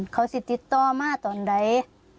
เขาสิติดต่อมาตอนไหน